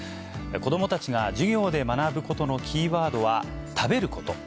子どもたちが授業で学ぶことのキーワードは食べること。